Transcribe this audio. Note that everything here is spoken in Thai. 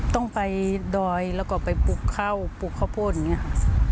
ต้องไปดอยแล้วก็ไปปลูกข้าวปลูกข้าวโพดอย่างนี้ค่ะ